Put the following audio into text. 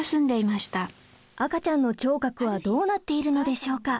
赤ちゃんの聴覚はどうなっているのでしょうか？